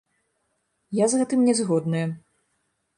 Я з гэтым не згодная.